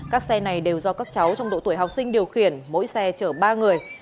các xe này đều do các cháu trong độ tuổi học sinh điều khiển mỗi xe chở ba người